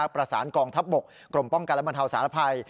ประสานกองทัพบกกรมป้องการละบันเทาสารภัย